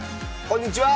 こんにちは。